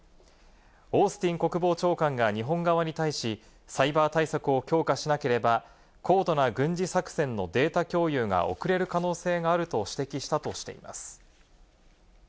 オースティン国防長官が日本側に対し、サイバー対策を強化しなければ、高度な軍事作戦のデータ共有が遅れる可能性があると指摘したとしています。